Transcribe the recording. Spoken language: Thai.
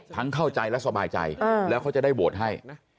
เข้าใจและสบายใจแล้วเขาจะได้โหวตให้